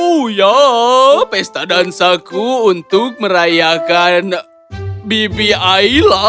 oh ya pesta dansaku untuk merayakan bibi aila